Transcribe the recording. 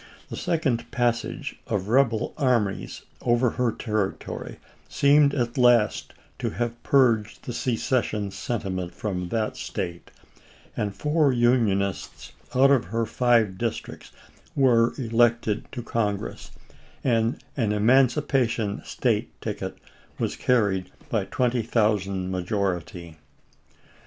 The second passage of rebel armies over her territory seemed at last to have purged the secession senti ment from that State, and four Unionists out of her five districts were elected to Congress, and an emancipation State ticket was carried by twenty thousand majority.